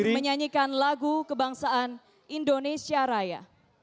kita akan menyanyikan lagu kebangsaan indonesia raya